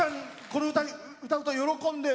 この歌歌うと喜んで。